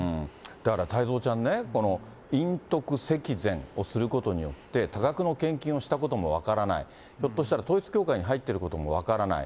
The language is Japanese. だから太蔵ちゃんね、陰徳積善をすることによって、多額の献金をしたことも分からない、ひょっとしたら統一教会に入ってることも分からない。